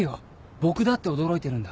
僕だって驚いてるんだ。